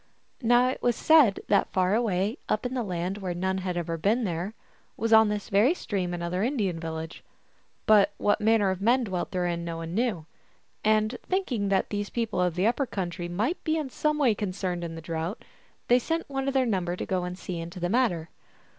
Now it was said that far away up in the land where none had ever been there was on this very stream another Indian village; but what manner of men dwelt therein no one knew. And thinking that these people of the upper country might be in some way concerned in the drought, they sent one of their num ber to go and see into the matter.